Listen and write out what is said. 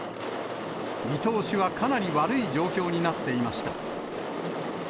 見通しはかなり悪い状況になっていました。